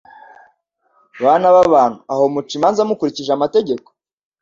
Bana b’abantu aho muca imanza mukurikije amategeko?